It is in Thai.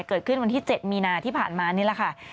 เกิดขึ้นวันที่๗มีนาที่ผ่านมานี่แหละค่ะ